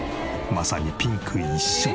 まさにピンク一色。